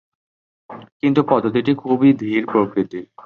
কিন্তু পদ্ধতিটি খুবই ধীর প্রকৃতির।